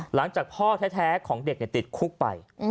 หลังจากพ่อแท้ของเด็กติดคุกไป